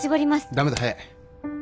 駄目だ早い。